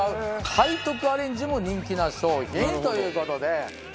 背徳アレンジも人気な商品という事で。